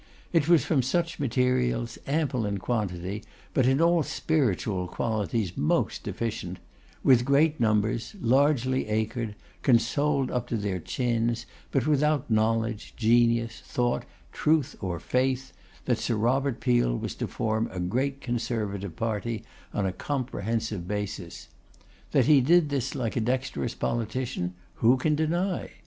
It was from such materials, ample in quantity, but in all spiritual qualities most deficient; with great numbers, largely acred, consoled up to their chins, but without knowledge, genius, thought, truth, or faith, that Sir Robert Peel was to form a 'great Conservative party on a comprehensive basis.' That he did this like a dexterous politician, who can deny?